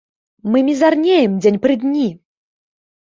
Мы мізарнеем дзень пры дні!